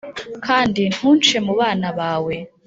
kandi ntunce mu bana bawe.